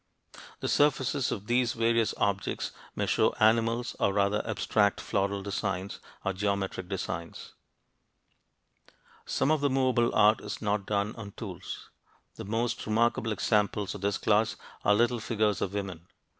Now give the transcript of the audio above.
The surfaces of these various objects may show animals, or rather abstract floral designs, or geometric designs. [Illustration: "VENUS" FIGURINE FROM WILLENDORF] Some of the movable art is not done on tools. The most remarkable examples of this class are little figures of women.